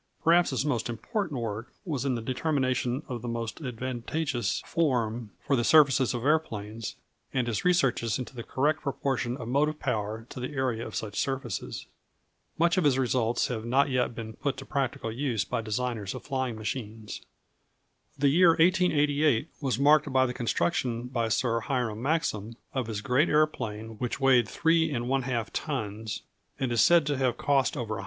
Perhaps his most important work was in the determination of the most advantageous form for the surfaces of aeroplanes, and his researches into the correct proportion of motive power to the area of such surfaces. Much of his results have not yet been put to practical use by designers of flying machines. [Illustration: Phillips's Flying Machine built of narrow slats like a Venetian blind.] The year 1888 was marked by the construction by Sir Hiram Maxim of his great aeroplane which weighed three and one half tons, and is said to have cost over $100,000.